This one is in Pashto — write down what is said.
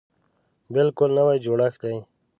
بلکل نوی جوړښت دی.